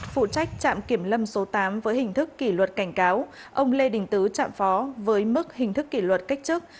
phụ trách trạm kiểm lâm số tám với hình thức kỷ luật cảnh cáo ông lê đình tứ trạm phó với mức hình thức kỷ luật cách chức